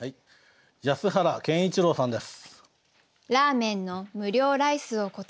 安原健一郎さんです。